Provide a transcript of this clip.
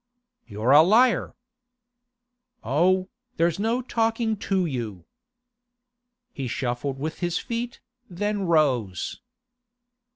'You're a liar!' 'Oh, there's no talking to you!' He shuffled with his feet, then rose.